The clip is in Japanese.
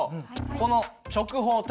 この直方体。